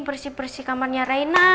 bersih bersih kamarnya reyna